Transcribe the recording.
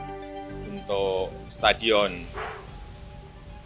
untuk stadion kita harus mencari kemampuan untuk mencari kemampuan